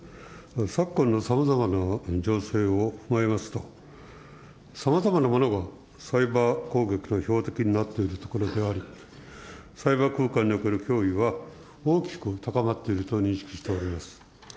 昨今のさまざまな情勢を踏まえますと、さまざまなものがサイバー攻撃の標的になっているところであり、サイバー空間における脅威は大きく高まっていると認識しております。